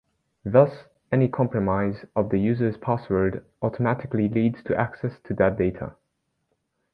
Thus, any compromise of the user's password automatically leads to access to that data.